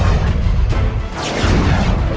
patra lalui hati hatimu